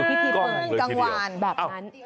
พิธีเปิดกลางวานแบบนั้น